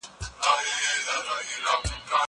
زه کتاب نه وړم؟